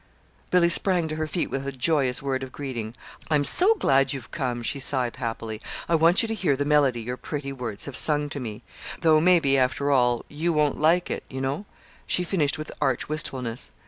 Billy sprang to her feet with a joyous word of greeting. "I'm so glad you've come," she sighed happily. "I want you to hear the melody your pretty words have sung to me. Though, maybe, after all, you won't like it, you know," she finished with arch wistfulness.